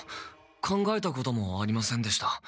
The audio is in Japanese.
考えたこともありませんでした。